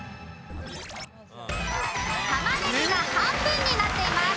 たまねぎが半分になっています。